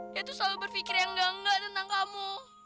dia tuh selalu berpikir yang enggak enggak tentang kamu